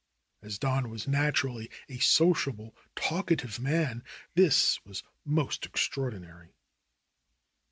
As Don was naturally a sociable, talkative man, this was most ex traordinary.